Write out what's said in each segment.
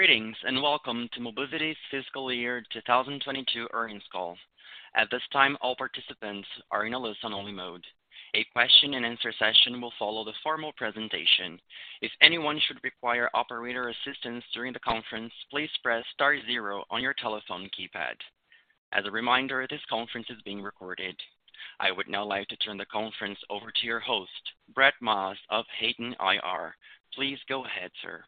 Greetings, and welcome to Mobivity's Fiscal Year 2022 earnings call. At this time, all participants are in a listen-only mode. A question and answer session will follow the formal presentation. If anyone should require operator assistance during the conference, please press star zero on your telephone keypad. As a reminder, this conference is being recorded. I would now like to turn the conference over to your host, Brett Maas of Hayden IR. Please go ahead, sir.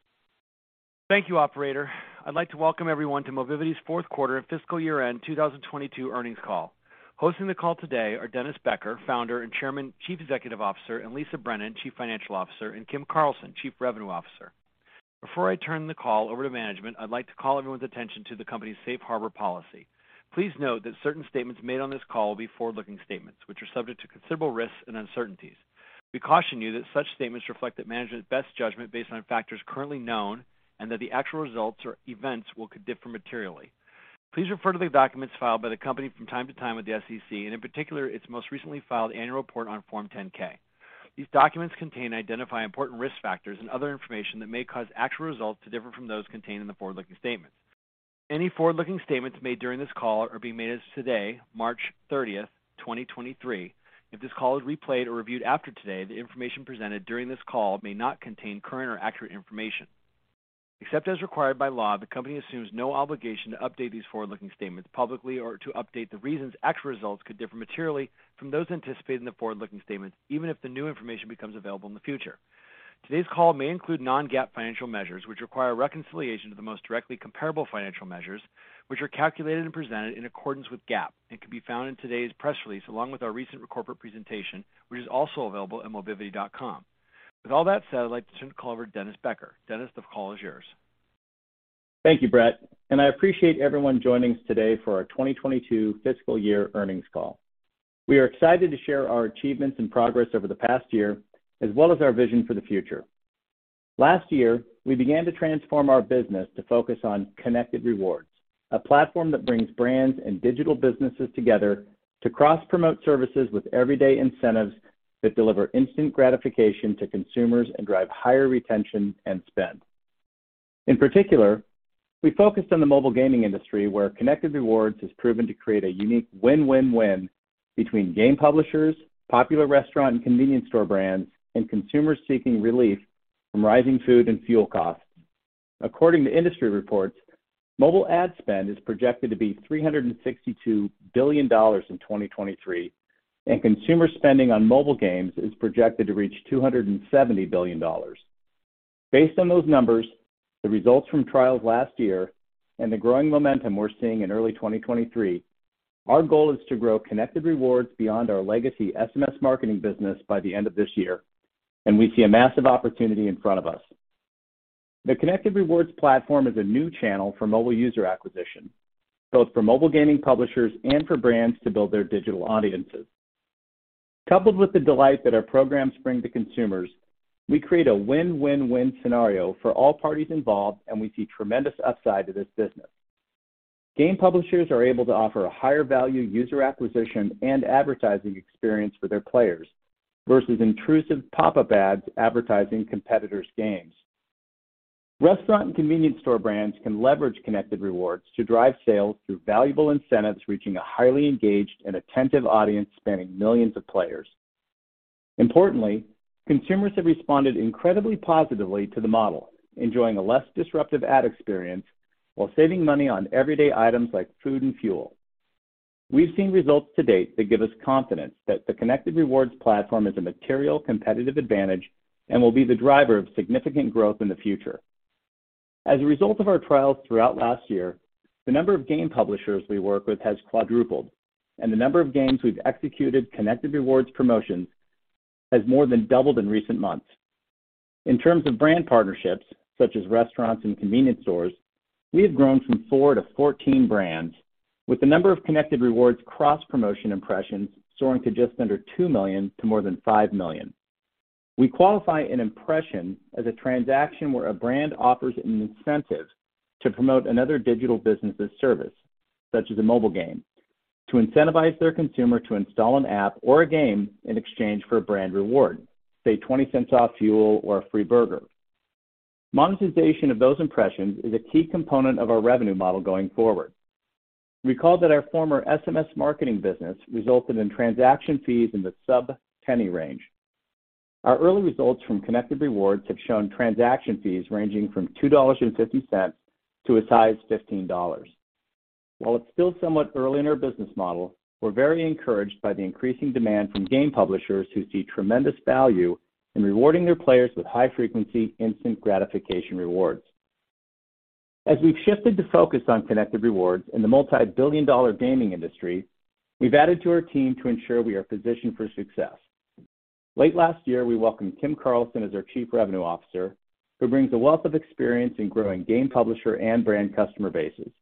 Thank you, operator. I'd like to welcome everyone to Mobivity's fourth quarter and fiscal year-end 2022 earnings call. Hosting the call today are Dennis Becker, Founder and Chairman, Chief Executive Officer, and Lisa Brennan, Chief Financial Officer, and Kim Carlson, Chief Revenue Officer. Before I turn the call over to management, I'd like to call everyone's attention to the company's safe harbor policy. Please note that certain statements made on this call will be forward-looking statements, which are subject to considerable risks and uncertainties. We caution you that such statements reflect that management's best judgment based on factors currently known and that the actual results or events will differ materially. Please refer to the documents filed by the company from time to time with the SEC, and in particular, its most recently filed annual report on Form 10-K. These documents contain and identify important risk factors and other information that may cause actual results to differ from those contained in the forward-looking statements. Any forward-looking statements made during this call are being made as of today, March thirtieth, 2023. If this call is replayed or reviewed after today, the information presented during this call may not contain current or accurate information. Except as required by law, the company assumes no obligation to update these forward-looking statements publicly or to update the reasons actual results could differ materially from those anticipated in the forward-looking statements, even if the new information becomes available in the future. Today's call may include non-GAAP financial measures, which require reconciliation to the most directly comparable financial measures, which are calculated and presented in accordance with GAAP and can be found in today's press release, along with our recent corporate presentation, which is also available at mobivity.com. With all that said, I'd like to turn the call over to Dennis Becker. Dennis, the call is yours. Thank you, Brett. I appreciate everyone joining us today for our 2022 fiscal year earnings call. We are excited to share our achievements and progress over the past year, as well as our vision for the future. Last year, we began to transform our business to focus on Connected Rewards, a platform that brings brands and digital businesses together to cross-promote services with everyday incentives that deliver instant gratification to consumers and drive higher retention and spend. In particular, we focused on the mobile gaming industry, where Connected Rewards has proven to create a unique win-win-win between game publishers, popular restaurant and convenience store brands, and consumers seeking relief from rising food and fuel costs. According to industry reports, mobile ad spend is projected to be $362 billion in 2023, and consumer spending on mobile games is projected to reach $270 billion. Based on those numbers, the results from trials last year and the growing momentum we're seeing in early 2023, our goal is to grow Connected Rewards beyond our legacy SMS marketing business by the end of this year, and we see a massive opportunity in front of us. The Connected Rewards platform is a new channel for mobile user acquisition, both for mobile gaming publishers and for brands to build their digital audiences. Coupled with the delight that our programs bring to consumers, we create a win-win-win scenario for all parties involved, and we see tremendous upside to this business. Game publishers are able to offer a higher value user acquisition and advertising experience for their players versus intrusive pop-up ads advertising competitors' games. Restaurant and convenience store brands can leverage Connected Rewards to drive sales through valuable incentives, reaching a highly engaged and attentive audience spanning millions of players. Importantly, consumers have responded incredibly positively to the model, enjoying a less disruptive ad experience while saving money on everyday items like food and fuel. We've seen results to date that give us confidence that the Connected Rewards platform is a material competitive advantage and will be the driver of significant growth in the future. As a result of our trials throughout last year, the number of game publishers we work with has quadrupled, and the number of games we've executed Connected Rewards promotions has more than doubled in recent months. In terms of brand partnerships, such as restaurants and convenience stores, we have grown from 4 to 14 brands, with the number of Connected Rewards cross-promotion impressions grew from just under 2 million to more than 5 million. We qualify an impression as a transaction where a brand offers an incentive to promote another digital business' service, such as a mobile game, to incentivize their consumer to install an app or a game in exchange for a brand reward, say $0.20 off fuel or a free burger. Monetization of those impressions is a key component of our revenue model going forward. Recall that our former SMS marketing business resulted in transaction fees in the sub-penny range. Our early results from Connected Rewards have shown transaction fees ranging from $2.50 to as high as $15. While it's still somewhat early in our business model, we're very encouraged by the increasing demand from game publishers who see tremendous value in rewarding their players with high-frequency, instant gratification rewards. As we've shifted to focus on Connected Rewards in the multi-billion dollar gaming industry, we've added to our team to ensure we are positioned for success. Late last year, we welcomed Kim Carlson as our Chief Revenue Officer, who brings a wealth of experience in growing game publisher and brand customer bases.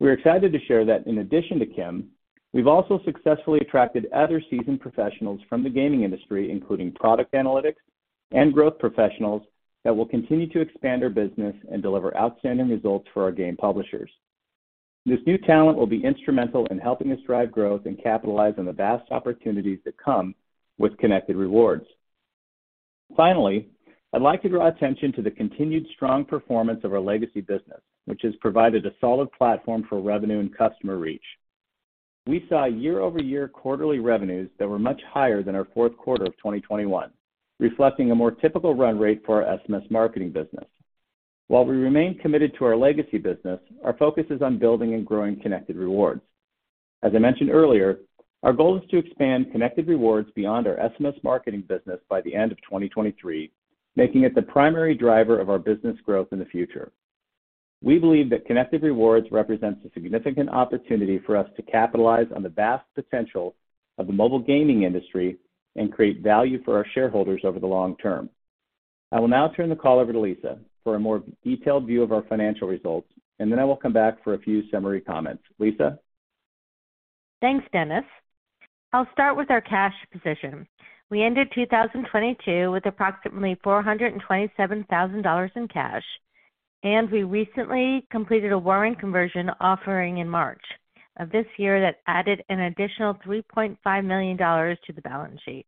We're excited to share that in addition to Kim, we've also successfully attracted other seasoned professionals from the gaming industry, including product analytics and growth professionals that will continue to expand our business and deliver outstanding results for our game publishers. This new talent will be instrumental in helping us drive growth and capitalize on the vast opportunities that come with Connected Rewards. Finally, I'd like to draw attention to the continued strong performance of our legacy business, which has provided a solid platform for revenue and customer reach. We saw year-over-year quarterly revenues that were much higher than our fourth quarter of 2021, reflecting a more typical run rate for our SMS marketing business. While we remain committed to our legacy business, our focus is on building and growing Connected Rewards. As I mentioned earlier, our goal is to expand Connected Rewards beyond our SMS marketing business by the end of 2023, making it the primary driver of our business growth in the future. We believe that Connected Rewards represents a significant opportunity for us to capitalize on the vast potential of the mobile gaming industry and create value for our shareholders over the long term. I will now turn the call over to Lisa for a more detailed view of our financial results, and then I will come back for a few summary comments. Lisa? Thanks, Dennis. I'll start with our cash position. We ended 2022 with approximately $427,000 in cash. We recently completed a warrant conversion offering in March of this year that added an additional $3.5 million to the balance sheet.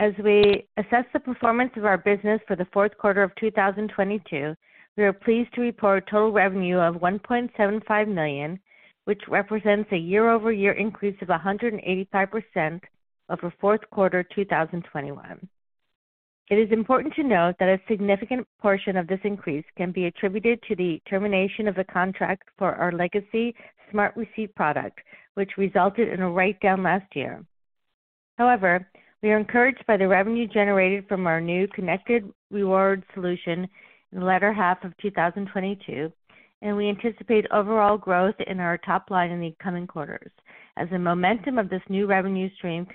As we assess the performance of our business for the fourth quarter of 2022, we are pleased to report total revenue of $1.75 million, which represents a year-over-year increase of 185% over fourth quarter 2021. It is important to note that a significant portion of this increase can be attributed to the termination of the contract for our legacy SmartReceipt product, which resulted in a write-down last year. We are encouraged by the revenue generated from our new Connected Rewards solution in the latter half of 2022, and we anticipate overall growth in our top line in the coming quarters as the momentum of this new revenue stream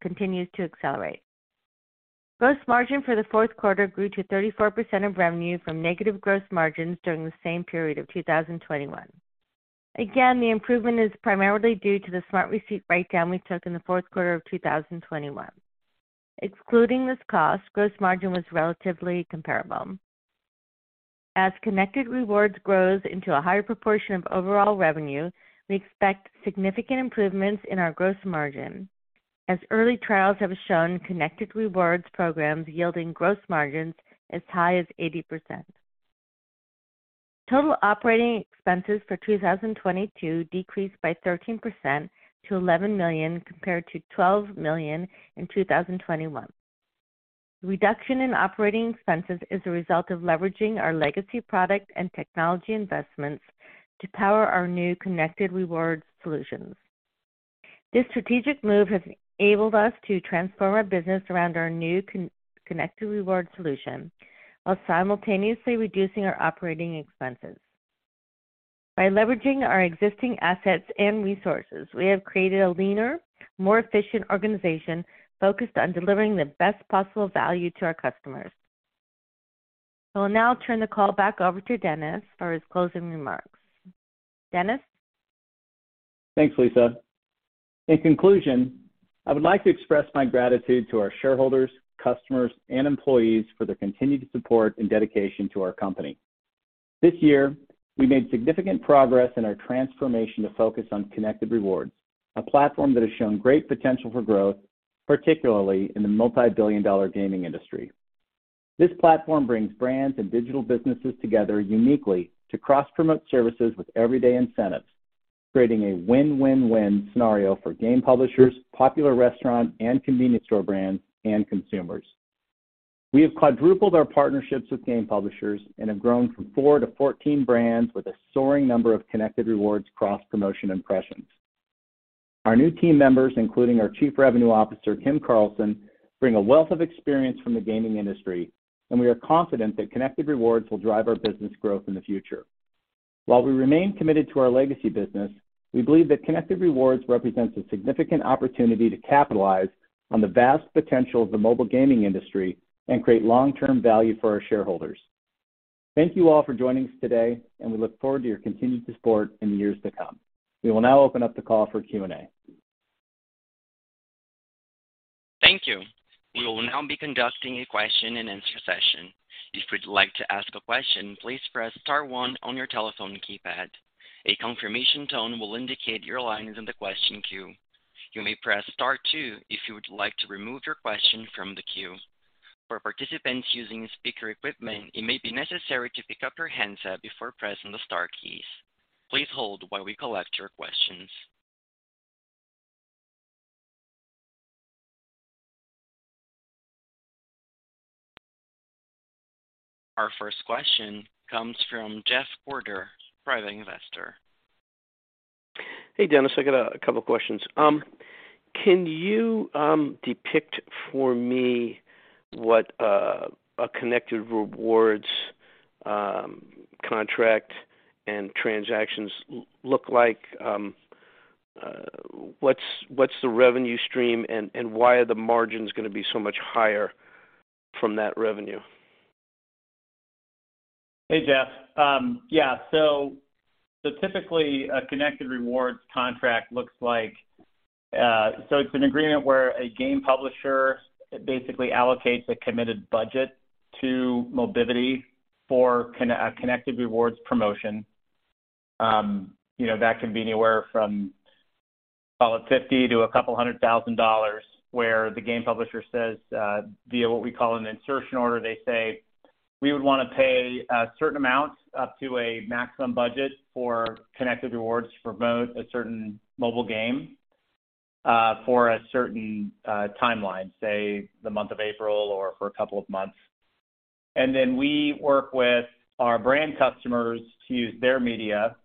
continues to accelerate. Gross margin for the fourth quarter grew to 34% of revenue from negative gross margins during the same period of 2021. Again, the improvement is primarily due to the SmartReceipt write-down we took in the fourth quarter of 2021. Excluding this cost, gross margin was relatively comparable. As Connected Rewards grows into a higher proportion of overall revenue, we expect significant improvements in our gross margin as early trials have shown Connected Rewards programs yielding gross margins as high as 80%. Total operating expenses for 2022 decreased by 13% to $11 million, compared to $12 million in 2021. The reduction in operating expenses is a result of leveraging our legacy product and technology investments to power our new Connected Rewards solutions. This strategic move has enabled us to transform our business around our new Connected Rewards solution while simultaneously reducing our operating expenses. By leveraging our existing assets and resources, we have created a leaner, more efficient organization focused on delivering the best possible value to our customers. I will now turn the call back over to Dennis for his closing remarks. Dennis? Thanks, Lisa. In conclusion, I would like to express my gratitude to our shareholders, customers, and employees for their continued support and dedication to our company. This year, we made significant progress in our transformation to focus on Connected Rewards, a platform that has shown great potential for growth, particularly in the multi-billion dollar gaming industry. This platform brings brands and digital businesses together uniquely to cross-promote services with everyday incentives, creating a win-win-win scenario for game publishers, popular restaurant and convenience store brands, and consumers. We have quadrupled our partnerships with game publishers and have grown from 4 to 14 brands with a soaring number of Connected Rewards cross-promotion impressions. Our new team members, including our Chief Revenue Officer, Kim Carlson, bring a wealth of experience from the gaming industry, and we are confident that Connected Rewards will drive our business growth in the future. While we remain committed to our legacy business, we believe that Connected Rewards represents a significant opportunity to capitalize on the vast potential of the mobile gaming industry and create long-term value for our shareholders. Thank you all for joining us today, and we look forward to your continued support in the years to come. We will now open up the call for Q&A. Thank you. We will now be conducting a question and answer session. If you'd like to ask a question, please press star 1 on your telephone keypad. A confirmation tone will indicate your line is in the question queue. You may press star 2 if you would like to remove your question from the queue. For participants using speaker equipment, it may be necessary to pick up your handset before pressing the star keys. Please hold while we collect your questions. Our first question comes from Jeff Porter, Private Investor. Hey, Dennis. I got a couple questions. Can you depict for me what a Connected Rewards contract and transactions look like? What's the revenue stream and why are the margins gonna be so much higher from that revenue? Hey, Jeff. Yeah. Typically a Connected Rewards contract looks like. It's an agreement where a game publisher basically allocates a committed budget to Mobivity for a Connected Rewards promotion. You know, that can be anywhere from call it $50,000-$200,000, where the game publisher says, via what we call an insertion order, they say, "We would wanna pay a certain amount up to a maximum budget for Connected Rewards to promote a certain mobile game, for a certain timeline," say, the month of April or for a couple of months. We work with our brand customers to use their media,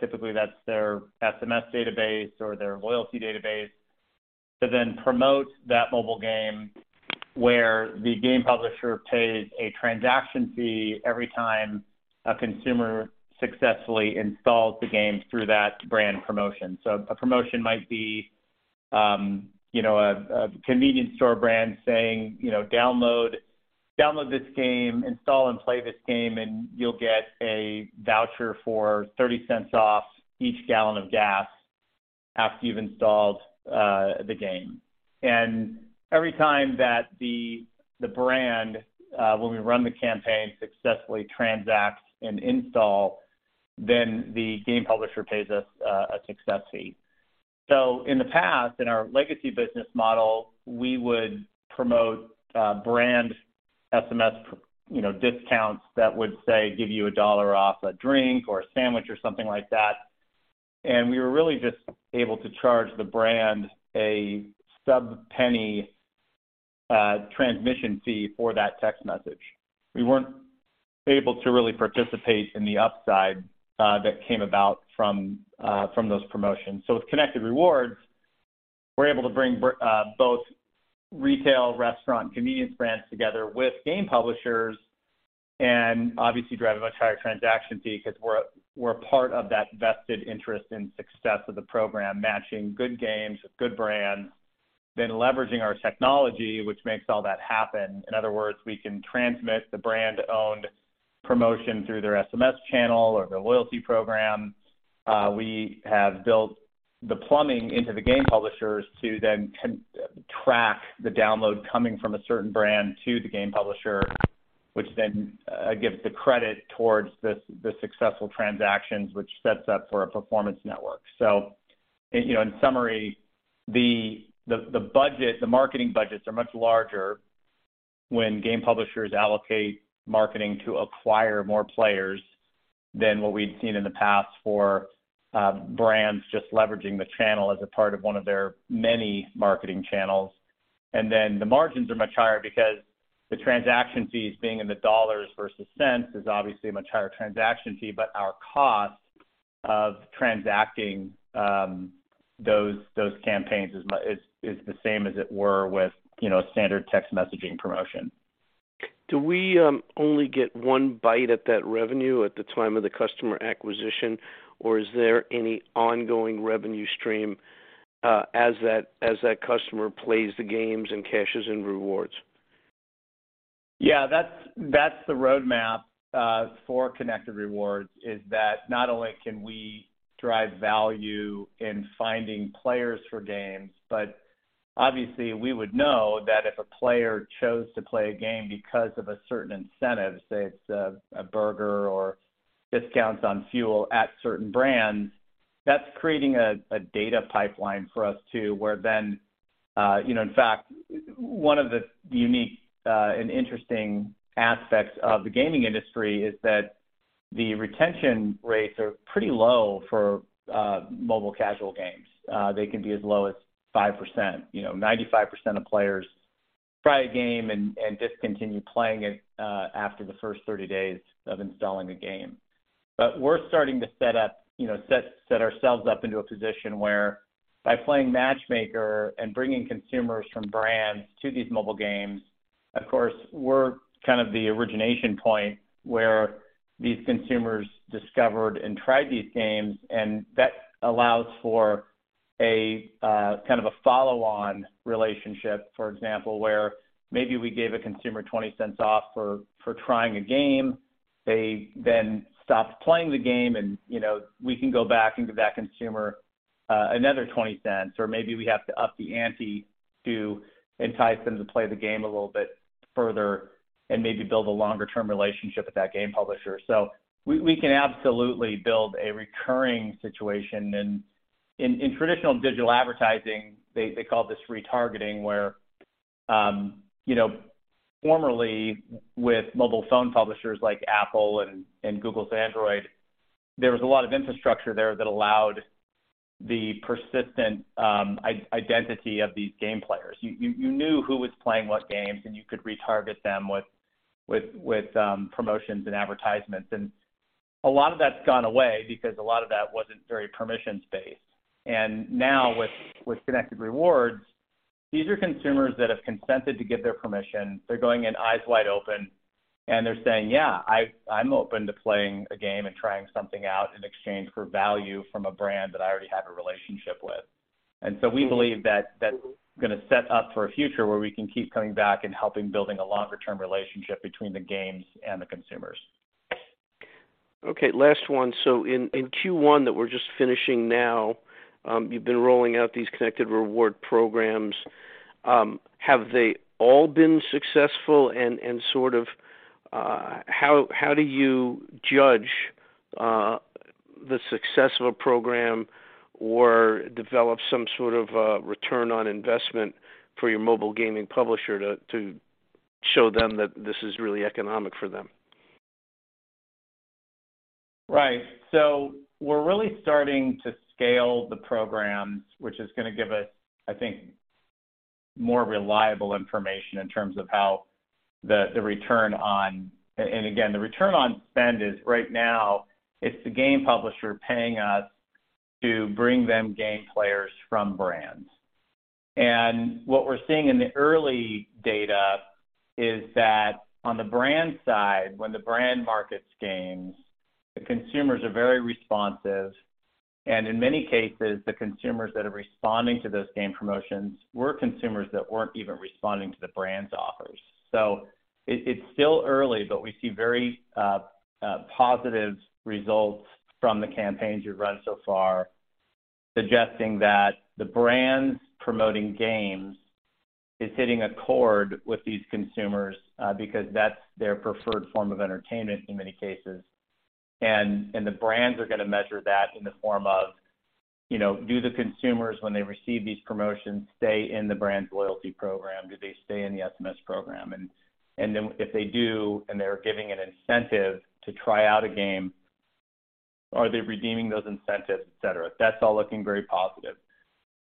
typically that's their SMS database or their loyalty database, to then promote that mobile game where the game publisher pays a transaction fee every time a consumer successfully installs the game through that brand promotion. A promotion might be, you know, a convenience store brand saying, you know, "Download this game, install and play this game, and you'll get a voucher for $0.30 off each gallon of gas after you've installed the game." Every time that the brand, when we run the campaign, successfully transacts an install, then the game publisher pays us a success fee. In the past, in our legacy business model, we would promote brand SMS, you know, discounts that would, say, give you $1 off a drink or a sandwich or something like that. We were really just able to charge the brand a sub-penny transmission fee for that text message. We weren't able to really participate in the upside that came about from those promotions. With Connected Rewards, we're able to bring both retail, restaurant, and convenience brands together with game publishers and obviously drive a much higher transaction fee because we’re part of the vested interest in the success of the program, matching good games with good brands, then leveraging our technology, which makes all that happen. In other words, we can transmit the brand-owned promotion through their SMS channel or their loyalty program. We have built the plumbing into the game publishers to then track the download coming from a certain brand to the game publisher, which then gives the credit towards the successful transactions, which sets up for a performance network. You know, in summary, the budget, the marketing budgets are much larger when game publishers allocate marketing to acquire more players than what we'd seen in the past for brands just leveraging the channel as a part of one of their many marketing channels. The margins are much higher because the transaction fees being in the dollars versus cents is obviously a much higher transaction fee, but our cost of transacting those campaigns is the same as it were with, you know, a standard text messaging promotion. Do we only get one bite at that revenue at the time of the customer acquisition, or is there any ongoing revenue stream, as that customer plays the games and cashes in rewards? Yeah, that's the roadmap for Connected Rewards, is that not only can we drive value in finding players for games, obviously we would know that if a player chose to play a game because of a certain incentive, say it's a burger or discounts on fuel at certain brands, that's creating a data pipeline for us, too, where then, you know, in fact, one of the unique and interesting aspects of the gaming industry is that the retention rates are pretty low for mobile casual games. They can be as low as 5%. You know, 95% of players try a game and discontinue playing it after the first 30 days of installing a game. We're starting to set ourselves up into a position where by playing matchmaker and bringing consumers from brands to these mobile games, of course, we're kind of the origination point where these consumers discovered and tried these games, and that allows for a kind of a follow-on relationship, for example, where maybe we gave a consumer $0.20 off for trying a game. They stopped playing the game and, you know, we can go back and give that consumer another $0.20, or maybe we have to up the ante to entice them to play the game a little bit further and maybe build a longer-term relationship with that game publisher. We can absolutely build a recurring situation. In traditional digital advertising, they call this retargeting, where, you know, formerly with mobile phone publishers like Apple and Google's Android, there was a lot of infrastructure there that allowed the persistent identity of these game players. You knew who was playing what games, and you could retarget them with promotions and advertisements. A lot of that's gone away because a lot of that wasn't very permissions-based. Now with Connected Rewards, these are consumers that have consented to give their permission. They're going in eyes wide open, they're saying, "Yeah, I'm open to playing a game and trying something out in exchange for value from a brand that I already have a relationship with." We believe that that's gonna set up for a future where we can keep coming back and helping building a longer-term relationship between the games and the consumers. Okay, last one. In Q1 that we're just finishing now, you've been rolling out these Connected Rewards programs. Have they all been successful and sort of, how do you judge the success of a program or develop some sort of a return on investment for your mobile gaming publisher to show them that this is really economic for them? Right. We're really starting to scale the programs, which is gonna give us, I think, more reliable information in terms of how the return on spend is right now it's the game publisher paying us to bring them game players from brands. What we're seeing in the early data is that on the brand side, when the brand markets games, the consumers are very responsive. In many cases, the consumers that are responding to those game promotions were consumers that weren't even responding to the brand's offers. It's still early, but we see very positive results from the campaigns we've run so far, suggesting that the brands promoting games is hitting a chord with these consumers because that's their preferred form of entertainment in many cases. The brands are gonna measure that in the form of, you know, do the consumers when they receive these promotions stay in the brand's loyalty program? Do they stay in the SMS program? Then if they do, and they're giving an incentive to try out a game, are they redeeming those incentives, et cetera? That's all looking very positive.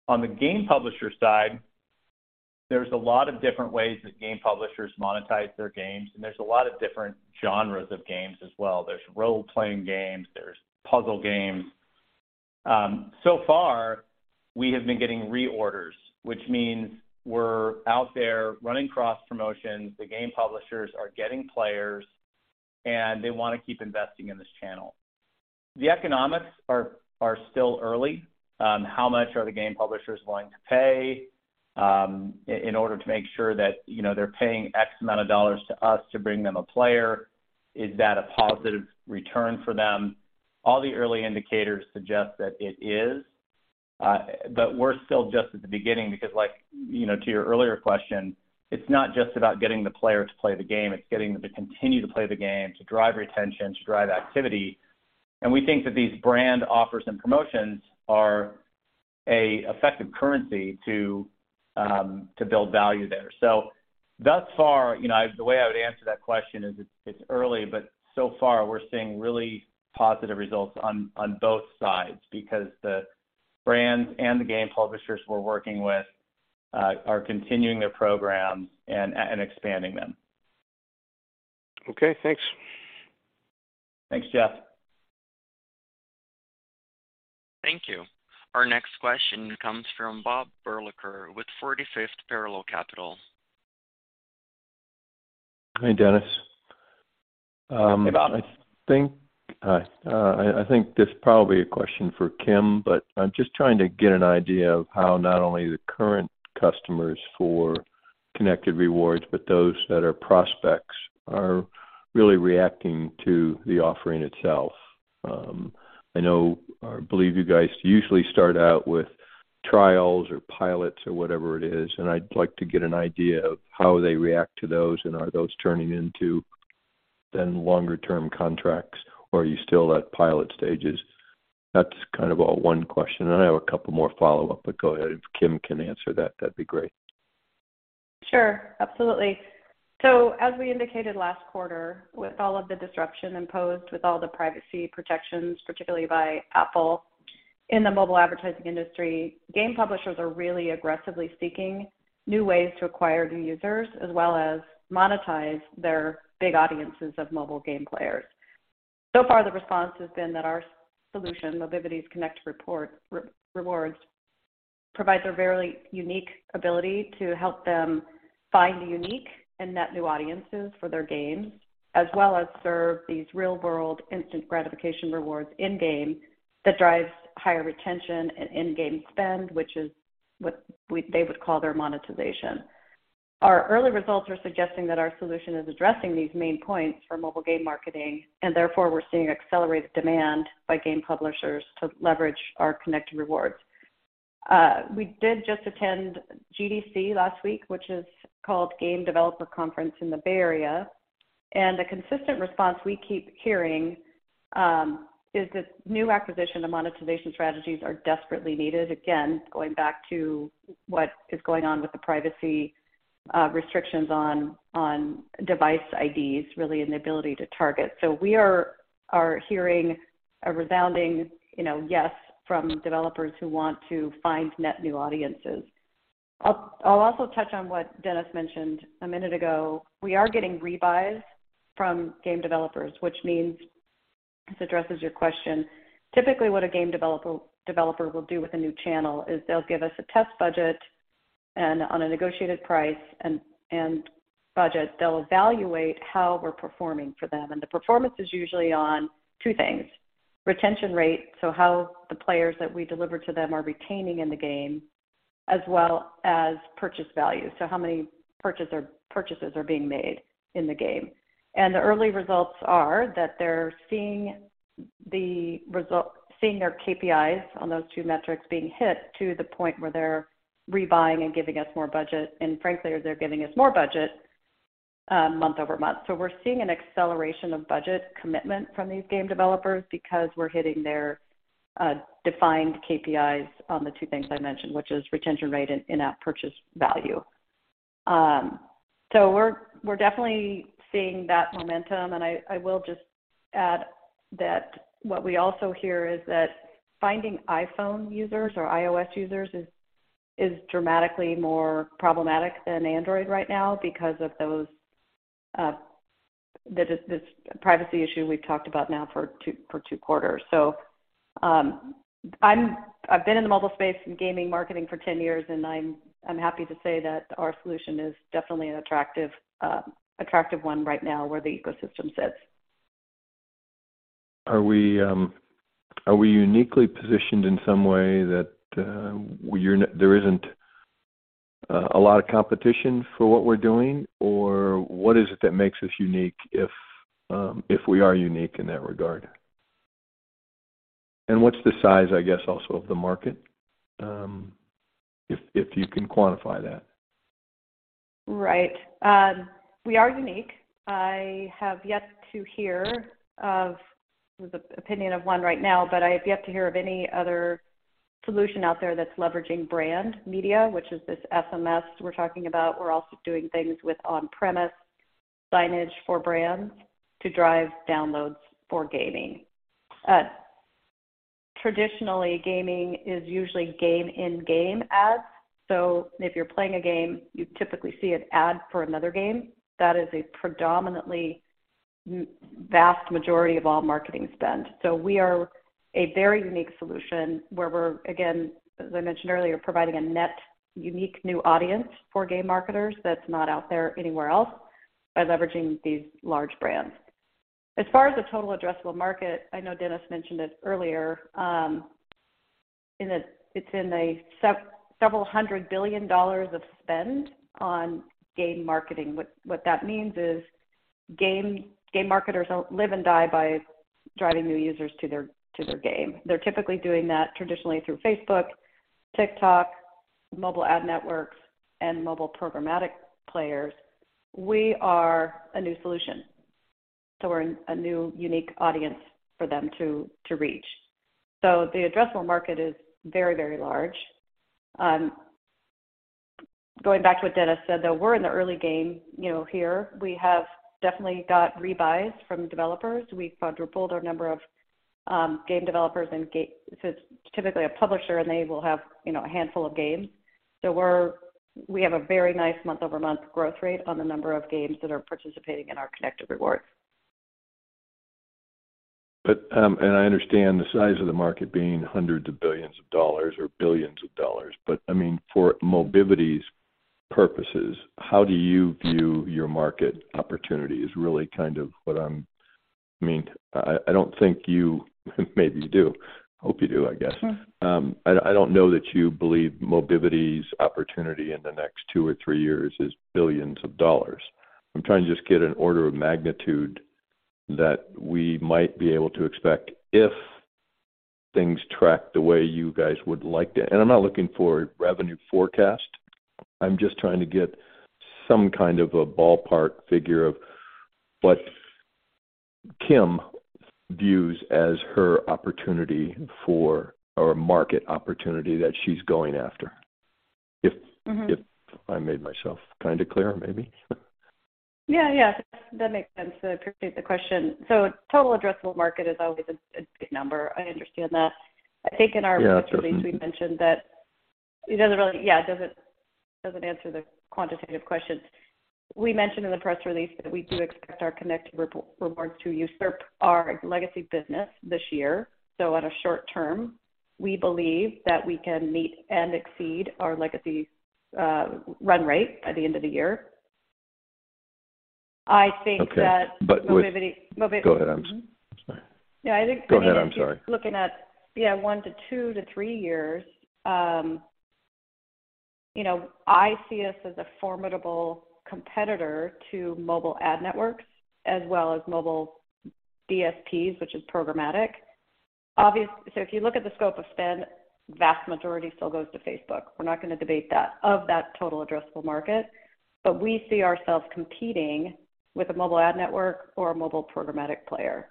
On the game publisher side, there's a lot of different ways that game publishers monetize their games, and there's a lot of different genres of games as well. There's role-playing games, there's puzzle games. So far we have been getting reorders, which means we're out there running cross promotions, the game publishers are getting players, they wanna keep investing in this channel. The economics are still early on how much are the game publishers willing to pay, in order to make sure that, you know, they're paying X amount of dollars to us to bring them a player. Is that a positive return for them? All the early indicators suggest that it is. But we're still just at the beginning because like, you know, to your earlier question, it's not just about getting the player to play the game, it's getting them to continue to play the game, to drive retention, to drive activity. We think that these brand offers and promotions are a effective currency to build value there. Thus far, you know, the way I would answer that question is it's early, but so far we're seeing really positive results on both sides because the brands and the game publishers we're working with are continuing their programs and expanding them. Okay, thanks. Thanks, Jeff. Thank you. Our next question comes from Bob Berlacher with 45th Parallel Capital. Hi, Dennis. Hey, Bob. I think. Hi. I think this is probably a question for Kim, but I'm just trying to get an idea of how not only the current customers for Connected Rewards, but those that are prospects are really reacting to the offering itself. I know or I believe you guys usually start out with trials or pilots or whatever it is, and I'd like to get an idea of how they react to those and are those turning into then longer term contracts, or are you still at pilot stages? That's kind of all one question. I have a couple more follow-up, but go ahead. If Kim can answer that'd be great. Sure, absolutely. As we indicated last quarter, with all of the disruption imposed, with all the privacy protections, particularly by Apple in the mobile advertising industry, game publishers are really aggressively seeking new ways to acquire new users as well as monetize their big audiences of mobile game players. Thus far, the response has been that our solution, Mobivity's Connected Rewards, provides a very unique ability to help them find unique and net new audiences for their games, as well as serve these real-world instant gratification rewards in-game that drives higher retention and in-game spend, which is what they would call their monetization. Our early results are suggesting that our solution is addressing these main points for mobile game marketing, therefore we're seeing accelerated demand by game publishers to leverage our Connected Rewards. We did just attend GDC last week, which is called Game Developers Conference in the Bay Area. The consistent response we keep hearing is that new acquisition to monetization strategies are desperately needed. Again, going back to what is going on with the privacy restrictions on device IDs, really, and the ability to target. We are hearing a resounding, you know, yes from developers who want to find net new audiences. I'll also touch on what Dennis mentioned a minute ago. We are getting rebuys from game developers, which means this addresses your question. Typically, what a game developer will do with a new channel is they'll give us a test budget and on a negotiated price and budget, they'll evaluate how we're performing for them. The performance is usually on two things: retention rate, so how the players that we deliver to them are retaining in the game. As well as purchase value. How many purchases are being made in the game. The early results are that they're seeing their KPIs on those two metrics being hit to the point where they're rebuying and giving us more budget, and frankly, they're giving us more budget month-over-month. We're seeing an acceleration of budget commitment from these game developers because we're hitting their defined KPIs on the two things I mentioned, which is retention rate and in-app purchase value. We're definitely seeing that momentum, and I will just add that what we also hear is that finding iPhone users or iOS users is dramatically more problematic than Android right now because of those, this privacy issue we've talked about now for 2 quarters. I've been in the mobile space in gaming marketing for 10 years, and I'm happy to say that our solution is definitely an attractive one right now where the ecosystem sits. Are we uniquely positioned in some way that there isn't a lot of competition for what we're doing? What is it that makes us unique if we are unique in that regard? What's the size, I guess, also of the market, if you can quantify that? Right. We are unique. I have yet to hear of one right now, but I have yet to hear of any other solution out there that's leveraging brand media, which is this SMS we're talking about. We're also doing things with on-premise signage for brands to drive downloads for gaming. Traditionally, gaming is usually game-in-game ads. If you're playing a game, you typically see an ad for another game. That is a predominantly vast majority of all marketing spend. We are a very unique solution where we're, again, as I mentioned earlier, providing a net unique new audience for game marketers that's not out there anywhere else by leveraging these large brands. As far as the total addressable market, I know Dennis mentioned it earlier, in that it's in a $several hundred billion of spend on game marketing. What that means is game marketers live and die by driving new users to their game. They're typically doing that traditionally through Facebook, TikTok, mobile ad networks, and mobile programmatic players. We are a new solution. We're a new unique audience for them to reach. The addressable market is very, very large. Going back to what Dennis said, though, we're in the early game, you know, here. We have definitely got rebuys from developers. We've quadrupled our number of game developers and it's typically a publisher, and they will have, you know, a handful of games. We have a very nice month-over-month growth rate on the number of games that are participating in our Connected Rewards. I understand the size of the market being hundreds of billions of dollars or billions of dollars, but, I mean, for Mobivity's purposes, how do you view your market opportunity? Is really kind of what I mean, I don't think you do, hope you do, I guess. Sure. I don't know that you believe Mobivity's opportunity in the next two or three years is billions of dollars. I'm trying to just get an order of magnitude that we might be able to expect if things track the way you guys would like to. I'm not looking for revenue forecast. I'm just trying to get some kind of a ballpark figure of what Kim views as her opportunity for or market opportunity that she's going after. Mm-hmm. If I made myself kind of clear maybe. Yeah. That makes sense. I appreciate the question. Total addressable market is always a big number. I understand that. Yeah, it doesn't- press release we mentioned that it doesn't really. Yeah, it doesn't answer the quantitative questions. We mentioned in the press release that we do expect our Connected Rewards to usurp our legacy business this year. On a short term, we believe that we can meet and exceed our legacy run rate by the end of the year. I think that. Okay. Mobivity. Go ahead. I'm sorry. Yeah. I think, I mean. Go ahead. I'm sorry. If you're looking at, yeah, 1 to 2 to 3 years, you know, I see us as a formidable competitor to mobile ad networks as well as mobile DSPs, which is programmatic. If you look at the scope of spend, vast majority still goes to Facebook, we're not gonna debate that, of that total addressable market. We see ourselves competing with a mobile ad network or a mobile programmatic player.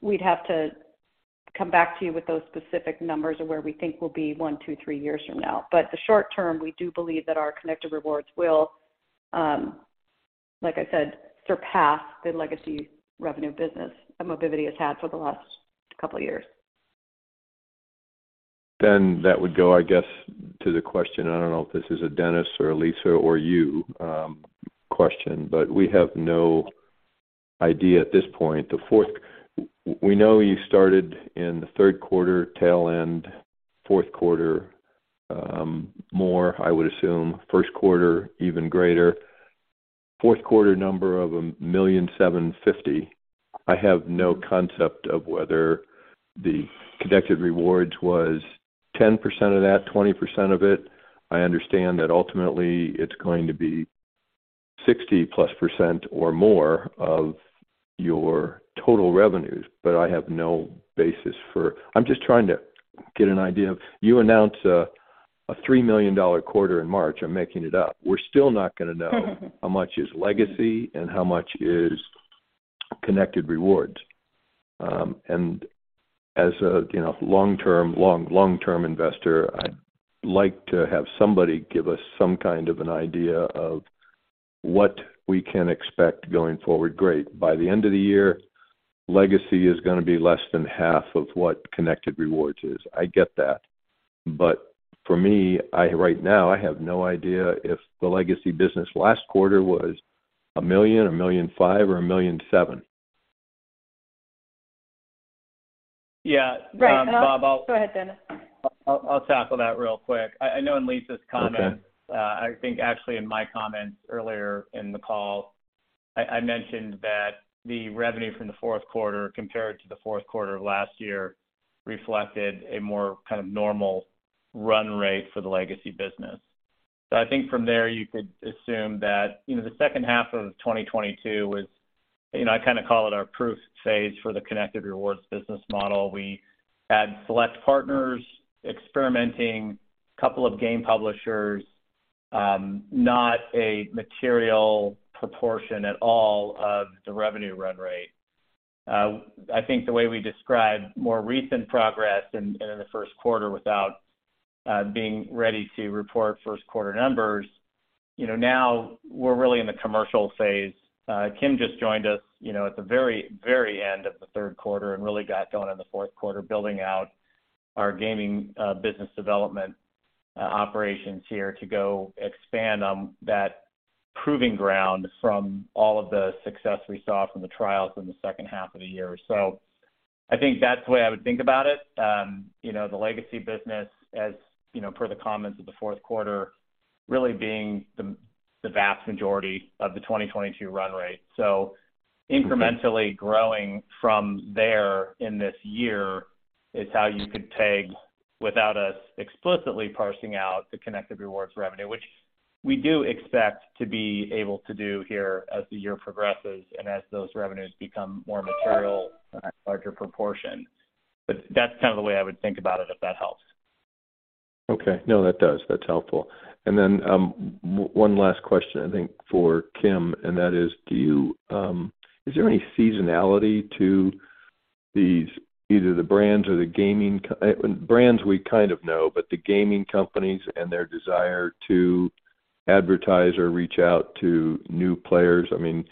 We'd have to come back to you with those specific numbers of where we think we'll be 1, 2, 3 years from now. The short term, we do believe that our Connected Rewards will, like I said, surpass the legacy revenue business that Mobivity has had for the last couple years. That would go, I guess, to the question, I don't know if this is a Dennis or a Lisa or you, question, but we have no idea at this point. We know you started in the third quarter, tail end, fourth quarter, more, I would assume, first quarter, even greater. Fourth quarter number of $1,750,000. I have no concept of whether the Connected Rewards was 10% of that, 20% of it. I understand that ultimately it's going to be 60%+ or more of your total revenues, but I have no basis for. I'm just trying to get an idea. You announce a $3 million quarter in March, I'm making it up. We're still not gonna know how much is legacy and how much is Connected Rewards. As a, you know, long-term investor, I'd like to have somebody give us some kind of an idea of what we can expect going forward. Great. By the end of the year, legacy is gonna be less than half of what Connected Rewards is. I get that. For me, right now, I have no idea if the legacy business last quarter was $1 million, $1.5 million or $1.7 million. Yeah. Right. Bob. Go ahead, Dennis. I'll tackle that real quick. I know in Lisa's. Okay. I think actually in my comments earlier in the call, I mentioned that the revenue from the fourth quarter compared to the fourth quarter of last year reflected a more kind of normal run rate for the legacy business. I think from there you could assume that, you know, the second half of 2022 was, you know, I kinda call it our proof phase for the Connected Rewards business model. We had select partners experimenting, couple of game publishers, not a material proportion at all of the revenue run rate. I think the way we describe more recent progress in the first quarter without being ready to report first quarter numbers, you know, now we're really in the commercial phase. Kim just joined us, you know, at the very, very end of the third quarter and really got going in the fourth quarter, building out our gaming, business development, operations here to go expand on that proving ground from all of the success we saw from the trials in the second half of the year. I think that's the way I would think about it. You know, the legacy business as, you know, per the comments of the fourth quarter really being the vast majority of the 2022 run rate. Incrementally growing from there in this year is how you could peg without us explicitly parsing out the Connected Rewards revenue, which we do expect to be able to do here as the year progresses and as those revenues become more material and a larger proportion. That's kind of the way I would think about it, if that helps. Okay. No, that does. That's helpful. One last question, I think, for Kim, and that is, Is there any seasonality to these, either the brands or the gaming companies, Brands we kind of know, but the gaming companies and their desire to advertise or reach out to new players, I mean,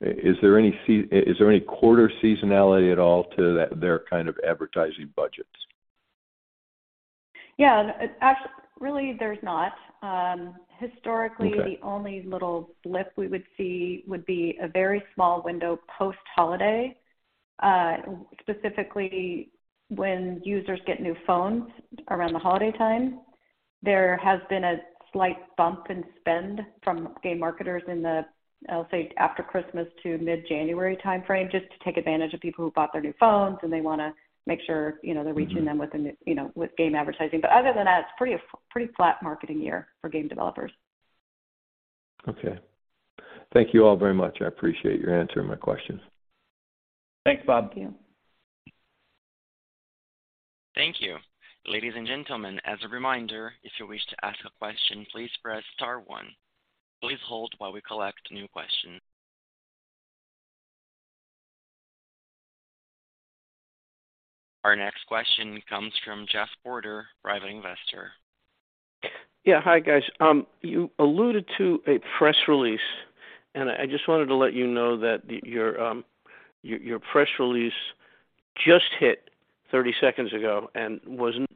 is there any quarter seasonality at all to their kind of advertising budgets? Yeah. Really, there’s not, historically. Okay. The only little blip we would see would be a very small window post-holiday, specifically when users get new phones around the holiday time. There has been a slight bump in spend from game marketers in the, I'll say, after Christmas to mid-January timeframe, just to take advantage of people who bought their new phones and they wanna make sure, you know, they're reaching them with a new, you know, with game advertising. Other than that, it's pretty flat marketing year for game developers. Okay. Thank you all very much. I appreciate you answering my questions. Thanks, Bob. Thank you. Thank you. Ladies and gentlemen, as a reminder, if you wish to ask a question, please press star one. Please hold while we collect new questions. Our next question comes from Jeff Porter, Private Investor. Yeah. Hi, guys. You alluded to a press release, and I just wanted to let you know that your press release just hit 30 seconds ago and wasn't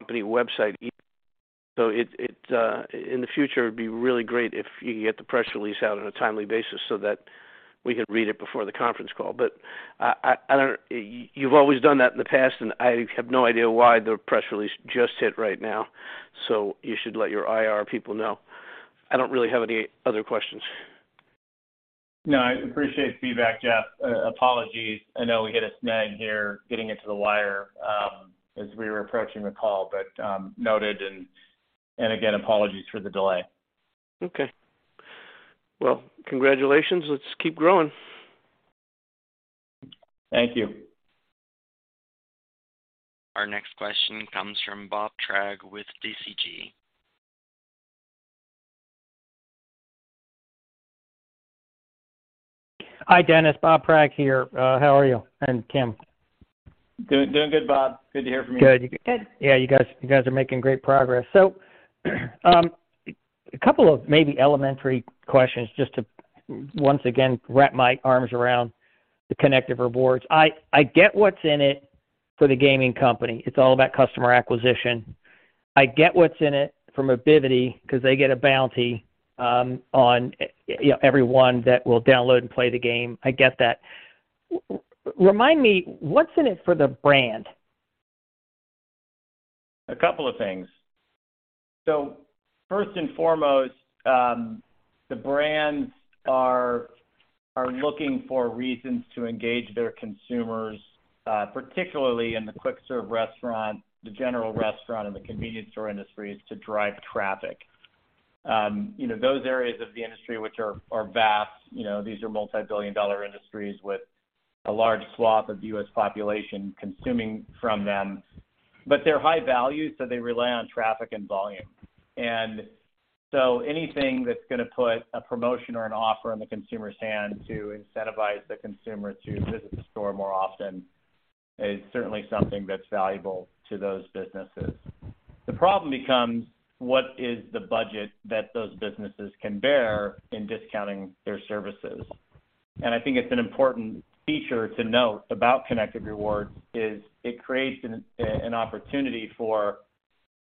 company website either. In the future, it'd be really great if you could get the press release out on a timely basis so that we could read it before the conference call. I don't. You've always done that in the past, and I have no idea why the press release just hit right now. You should let your IR people know. I don't really have any other questions. No, I appreciate the feedback, Jeff. Apologies. I know we hit a snag here getting it to the wire, as we were approaching the call. Noted and again, apologies for the delay. Okay. Well, congratulations. Let's keep growing. Thank you. Our next question comes from Bob Berlacher with 45th Parallel Capital. Hi, Dennis. Bob Berlacher here. How are you? Kim. Doing good, Bob. Good to hear from you. Good. Good. Yeah, you guys are making great progress. A couple of maybe elementary questions just to once again wrap my arms around the Connected Rewards. I get what's in it for the gaming company. It's all about customer acquisition. I get what's in it from Mobivity because they get a bounty on, you know, everyone that will download and play the game. I get that. Remind me, what's in it for the brand? A couple of things. First and foremost, the brands are looking for reasons to engage their consumers, particularly in the quick serve restaurant, the general restaurant, and the convenience store industries to drive traffic. You know, those areas of the industry which are vast, you know, these are multi-billion dollar industries with a large swath of U.S. population consuming from them. They're high value, so they rely on traffic and volume. Anything that's gonna put a promotion or an offer in the consumer's hand to incentivize the consumer to visit the store more often is certainly something that's valuable to those businesses. The problem becomes what is the budget that those businesses can bear in discounting their services? I think it's an important feature to note about Connected Rewards is it creates an opportunity for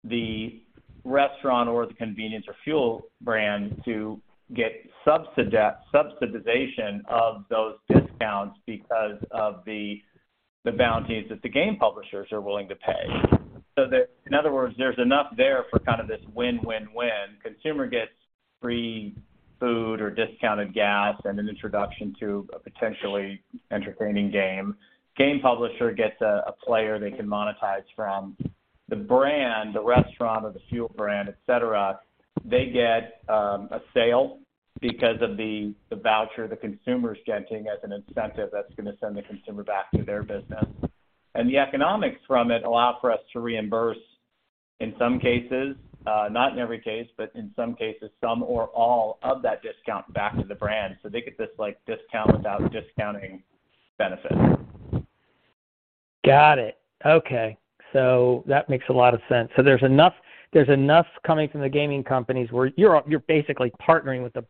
the restaurant or the convenience or fuel brand to get subsidization of those discounts because of the bounties that the game publishers are willing to pay. That in other words, there's enough there for kind of this win-win-win. Consumer gets free food or discounted gas and an introduction to a potentially entertaining game. Game publisher gets a player they can monetize from. The brand, the restaurant or the fuel brand, et cetera, they get a sale because of the voucher the consumer's getting as an incentive that's gonna send the consumer back to their business. The economics from it allow for us to reimburse, in some cases, not in every case, but in some cases, some or all of that discount back to the brand. They get this like discount without discounting benefit. Got it. Okay. That makes a lot of sense. There's enough coming from the gaming companies where you're basically partnering with the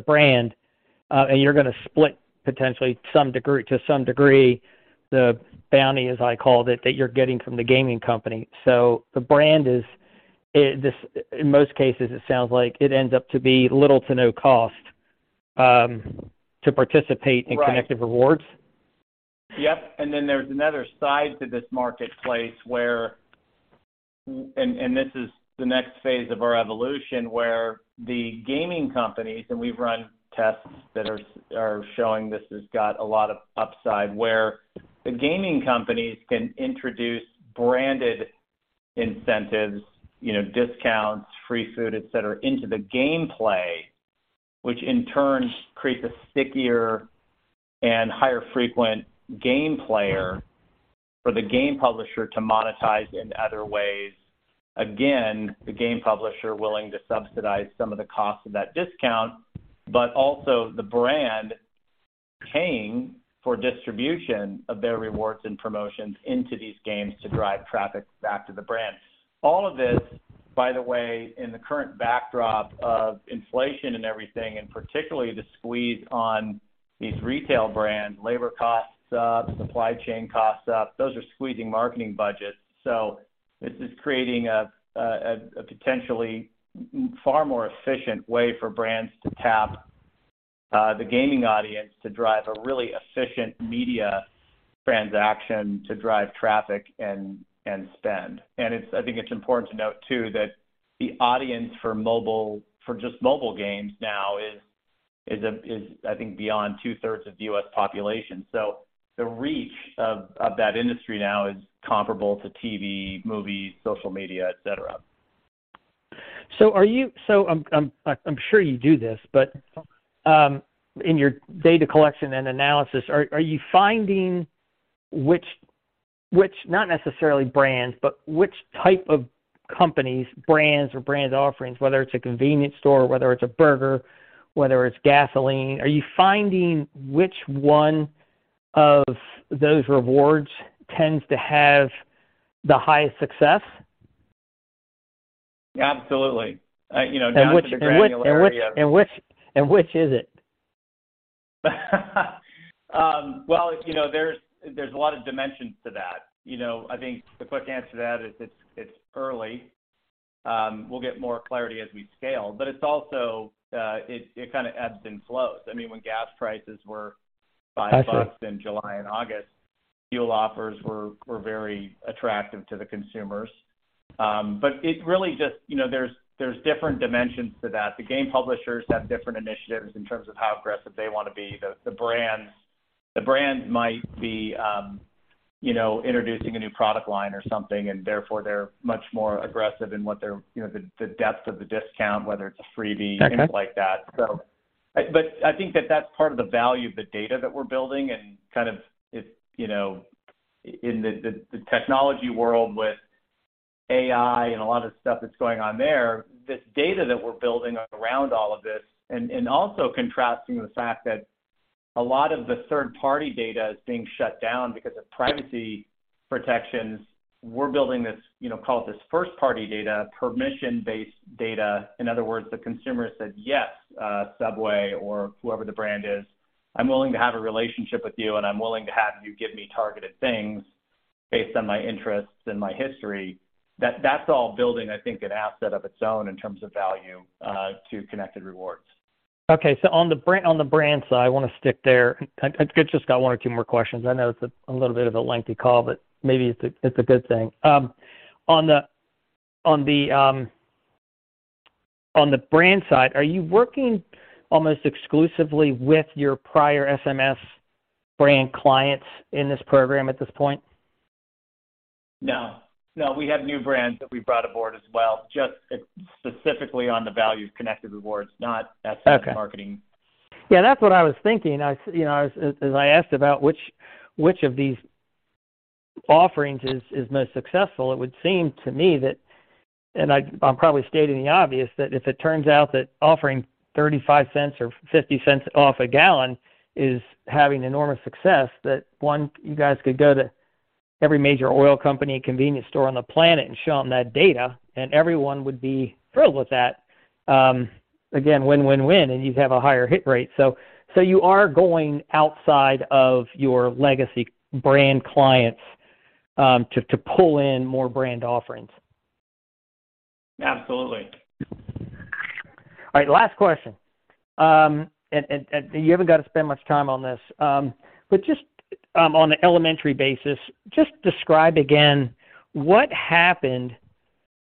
brand, and you're gonna split potentially to some degree the bounty, as I called it, that you're getting from the gaming company. The brand is this, in most cases, it sounds like it ends up to be little to no cost to participate. Right. In Connected Rewards? Yep, there's another side to this marketplace where this is the next phase of our evolution, where the gaming companies, and we've run tests that are showing this has got a lot of upside, where the gaming companies can introduce branded incentives, you know, discounts, free food, et cetera, into the gameplay, which in turn creates a stickier and higher frequent game player for the game publisher to monetize in other ways. Again, the game publisher willing to subsidize some of the cost of that discount, but also the brand paying for distribution of their rewards and promotions into these games to drive traffic back to the brand. All of this, by the way, in the current backdrop of inflation and everything, and particularly the squeeze on these retail brands, labor costs up, supply chain costs up, those are squeezing marketing budgets. This is creating a potentially far more efficient way for brands to tap the gaming audience to drive a really efficient media transaction to drive traffic and spend. I think it's important to note too that the audience for mobile, for just mobile games now is I think beyond two-thirds of the U.S. population. The reach of that industry now is comparable to TV, movies, social media, et cetera. I'm sure you do this, but in your data collection and analysis, are you finding which not necessarily brands, but which type of companies, brands or brand offerings, whether it's a convenience store, whether it's a burger, whether it's gasoline, are you finding which one of those rewards tends to have the highest success? Absolutely. You know, down to the granular level— Which is it? Well, you know, there's a lot of dimensions to that. You know, I think the quick answer to that is it's early. We'll get more clarity as we scale. It's also, it kinda ebbs and flows. I mean, when gas prices were $5... I see. In July and August, fuel offers were very attractive to the consumers. It really just, you know, there's different dimensions to that. The game publishers have different initiatives in terms of how aggressive they wanna be. The brands might be, you know, introducing a new product line or something, and therefore, they're much more aggressive in what they're, you know, the depth of the discount, whether it's a freebie. Okay. Anything like that. I think that that's part of the value of the data that we're building and kind of it, you know, in the technology world with AI and a lot of stuff that's going on there, this data that we're building around all of this and also contrasting the fact that a lot of the third-party data is being shut down because of privacy protections. We're building this, you know, call it this first-party data, permission-based data. In other words, the consumer said, "Yes, Subway," or whoever the brand is, "I'm willing to have a relationship with you, and I'm willing to have you give me targeted things based on my interests and my history." That's all building, I think, an asset of its own in terms of value, to Connected Rewards. On the brand side, I wanna stick there. I've just got one or two more questions. I know it's a little bit of a lengthy call, maybe it's a good thing. On the brand side, are you working almost exclusively with your prior SMS brand clients in this program at this point? No. No, we have new brands that we brought aboard as well, just specifically on the value of Connected Rewards, not SMS... Okay ...marketing. Yeah, that's what I was thinking. You know, as I asked about which of these offerings is most successful, it would seem to me that, and I'm probably stating the obvious, that if it turns out that offering $0.35 or $0.50 off a gallon is having enormous success, that one, you guys could go to every major oil company and convenience store on the planet and show them that data, and everyone would be thrilled with that. Again, win-win-win, and you'd have a higher hit rate. You are going outside of your legacy brand clients, to pull in more brand offerings? Absolutely. All right, last question. You haven't gotta spend much time on this. Just, on an elementary basis, just describe again what happened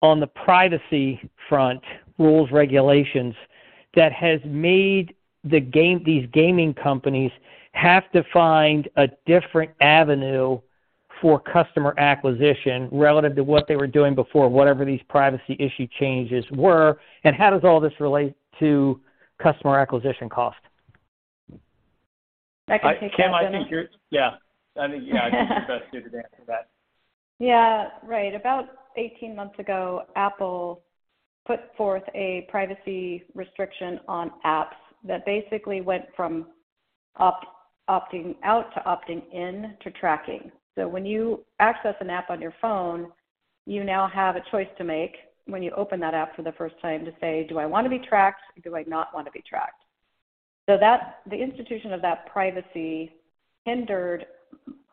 on the privacy front, rules, regulations, that has made these gaming companies have to find a different avenue for customer acquisition relative to what they were doing before, whatever these privacy issue changes were, and how does all this relate to customer acquisition cost? I can take that, Dennis. Yeah. I think you're best suited to answer that. Yeah, right. About 18 months ago, Apple put forth a privacy restriction on apps that basically went from opting out to opting in to tracking. When you access an app on your phone, you now have a choice to make when you open that app for the first time to say, "Do I wanna be tracked, or do I not wanna be tracked?" That the institution of that privacy hindered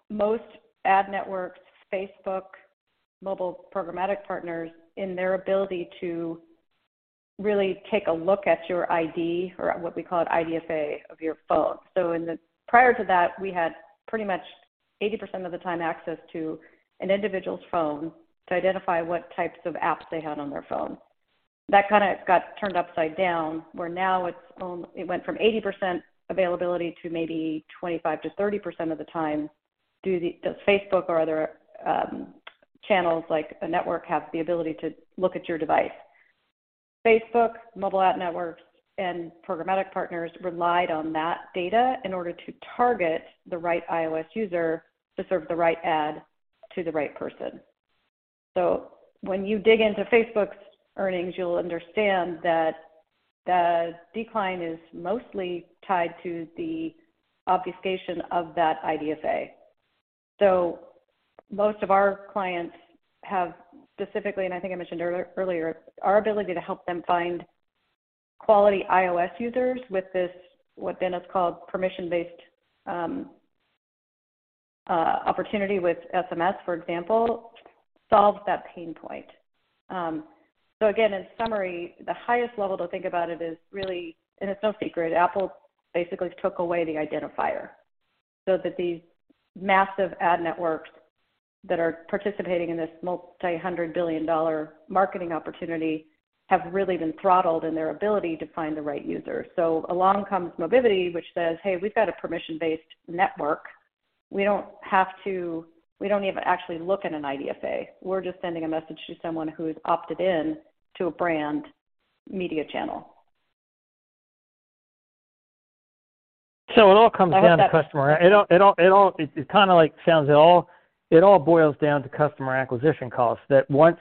most ad networks, Facebook, mobile programmatic partners in their ability to really take a look at your ID or what we call an IDFA of your phone. Prior to that, we had pretty much 80% of the time access to an individual's phone to identify what types of apps they had on their phone. That kinda got turned upside down, where now it went from 80% availability to maybe 25%-30% of the time does Facebook or other channels like a network have the ability to look at your device. Facebook, mobile ad networks, and programmatic partners relied on that data in order to target the right iOS user to serve the right ad to the right person. When you dig into Facebook's earnings, you'll understand that the decline is mostly tied to the obfuscation of that IDFA. Most of our clients have specifically, and I think I mentioned earlier, our ability to help them find quality iOS users with what is called a permission-based opportunity with SMS, for example, solves that pain point. Again, in summary, the highest level to think about it is really, and it's no secret, Apple basically took away the identifier, so that these massive ad networks that are participating in this multi-hundred billion dollar marketing opportunity have really been throttled in their ability to find the right user. Along comes Mobivity, which says, "Hey, we've got a permission-based network. We don't even actually look at an IDFA. We're just sending a message to someone who's opted in to a brand media channel. It all comes down to customer. I hope. It kinda like sounds it all boils down to customer acquisition costs, that once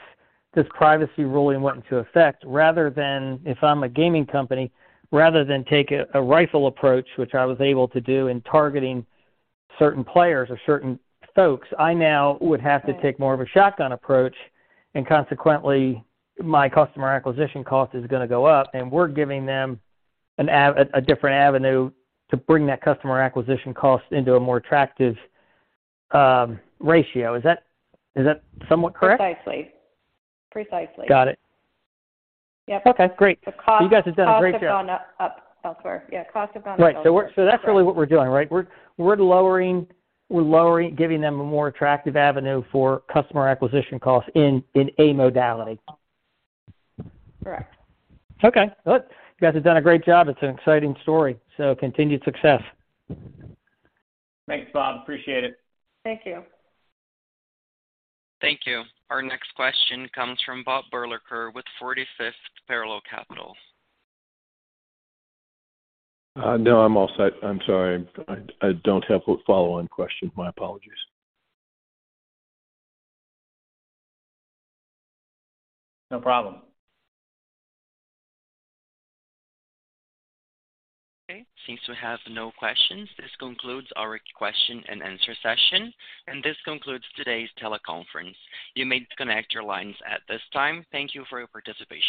this privacy ruling went into effect, rather than if I'm a gaming company, rather than take a rifle approach, which I was able to do in targeting certain players or certain folks, I now would have to take more of a shotgun approach, and consequently, my customer acquisition cost is gonna go up, and we're giving them a different avenue to bring that customer acquisition cost into a more attractive ratio. Is that, is that somewhat correct? Precisely. Precisely. Got it. Yep. Okay, great. The cost- You guys have done a great job. ...costs have gone up elsewhere. Yeah, costs have gone up elsewhere. Right. That's really what we're doing, right? We're lowering, giving them a more attractive avenue for customer acquisition costs in a modality. Correct. Okay. Look, you guys have done a great job. It's an exciting story. Continued success. Thanks, Bob. Appreciate it. Thank you. Thank you. Our next question comes from Bob Berlacher with 45th Parallel Capital. No, I'm all set. I'm sorry. I don't have a follow-on question. My apologies. No problem. Okay. Seems to have no questions. This concludes our question and answer session. This concludes today's teleconference. You may disconnect your lines at this time. Thank you for your participation.